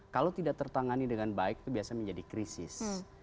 kalau tidak tertangani dengan baik itu biasanya menjadi krisis